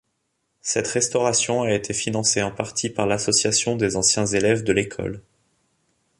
Cette restauration a été financée en partie par l'association des anciens élèves de l'école.